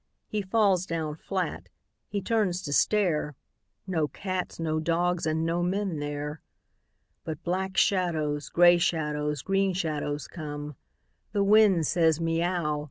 He falls down flat. H)e turns to stare — No cats, no dogs, and no men there. But black shadows, grey shadows, green shadows come. The wind says, " Miau !